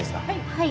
はい。